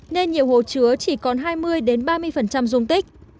nên nhiều hồ chứa chỉ còn hai mươi ba mươi dung tích